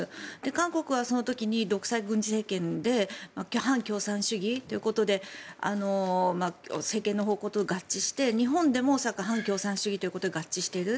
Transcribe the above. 韓国はその時に独裁軍事政権で反共産主義ということで政権の方向と合致して日本でも恐らく反共産主義ということで合致している。